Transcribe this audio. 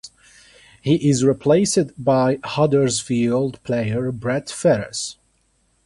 He is replaced by Huddersfield player Brett Ferres.